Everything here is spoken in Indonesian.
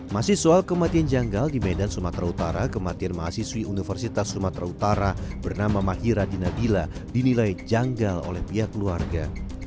masih soal kematian janggal di medan sumatera utara kematian mahasiswi universitas sumatera utara bernama mahira di nabila dinilai janggal oleh pihak keluarga